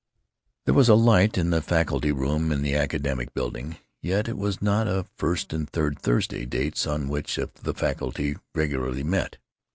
There was a light in the faculty room in the Academic Building, yet it was not a "first and third Thursday," dates on which the faculty regularly met.